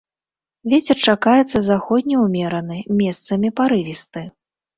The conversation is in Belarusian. Вецер чакаецца заходні ўмераны, месцамі парывісты.